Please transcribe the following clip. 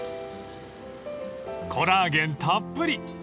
［コラーゲンたっぷり！］